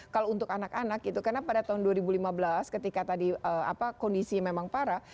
kalau untuk anak anak itu karena pada tahun dua ribu lima belas ketika tadi kondisinya memang parah